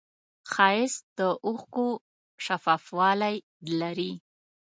ښایست د اوښکو شفافوالی لري